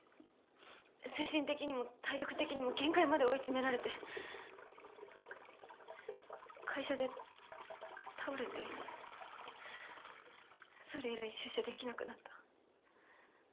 精神的にも体力的にも限界まで追い詰められて会社で倒れてそれ以来出社できなくなった。